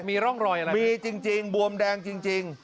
มีร่องรอยอะไรมีจริงบวมแดงจริง